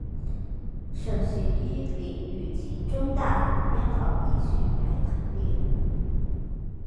顺序依领域及中大服编号依序排列。